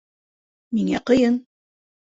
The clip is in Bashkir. Миңә ҡыйын.